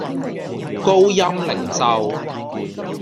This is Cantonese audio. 高鑫零售